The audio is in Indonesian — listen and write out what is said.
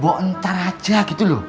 bo ntar aja gitu loh